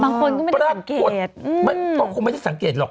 บางคนก็ไม่ได้สังเกตปรากฏต้องไม่ได้สังเกตหรอก